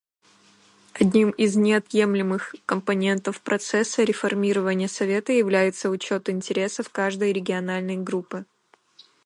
Одним из неотъемлемых компонентов процесса реформирования Совета является учет интересов каждой региональной группы.